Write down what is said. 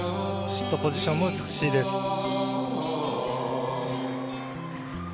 シットポジションも美しいです。